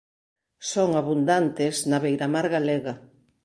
Son abundantes na beiramar galega.